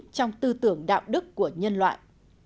trong tư tưởng đại đa số thành viên trong gia đình nhân loại